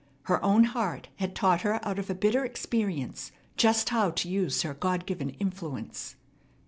Her own heart had taught her out of a bitter experience just how to use her God given influence.